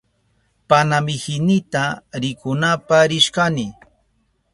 Panamihinita rikunapa rishkani.